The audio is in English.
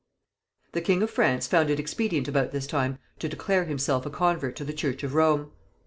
The king of France found it expedient about this time to declare himself a convert to the church of Rome.